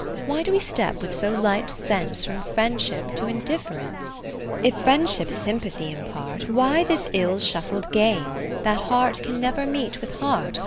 Why do we step with so light sense From friendship to Indifference ? VII If Friendship sympathy impart. Why this ill shuffled game. That heart can never meet with heart.